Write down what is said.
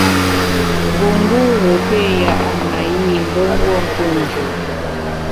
Ngungûre péé ya’ ṅayi mbe nguo nku njü.